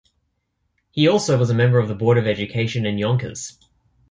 He also was a member of the Board of Education in Yonkers.